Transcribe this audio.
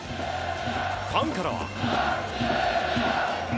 ファンからは。